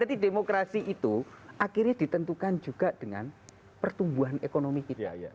jadi demokrasi itu akhirnya ditentukan juga dengan pertumbuhan ekonomi kita